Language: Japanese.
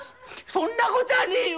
そんなこたぁねえよ。